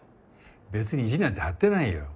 別に意地なんて張ってないよ。